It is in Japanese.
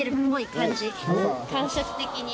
感触的に。